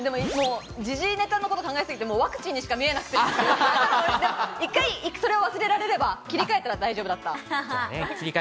時事ネタのことを考えすぎて、ワクチンにしか見えなくて、それを忘れられれば切り替えた大丈夫だった。